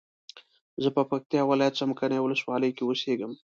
زه په پکتیا ولایت څمکنیو ولسوالۍ کی اوسیږم